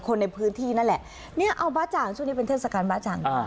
คนในพื้นที่นั่นแหละเนี้ยเอาบาจางสุดนี้เป็นเที่ยงศักดิ์บาจางอ่า